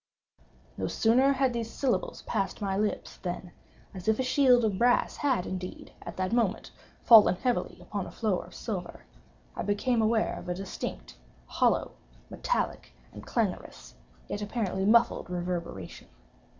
No sooner had these syllables passed my lips, than—as if a shield of brass had indeed, at the moment, fallen heavily upon a floor of silver—I became aware of a distinct, hollow, metallic, and clangorous, yet apparently muffled reverberation.